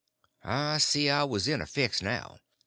I see I was in a fix now.